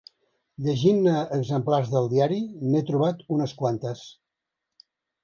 Llegint-ne exemplars del diari n'he trobat unes quantes.